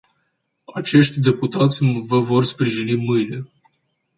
Acești deputați vă vor sprijini mâine.